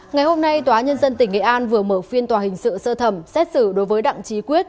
ngày hôm nay tòa nhân dân tỉnh nghệ an vừa mở phiên tòa hình sự sơ thẩm xét xử đối với đặng trí quyết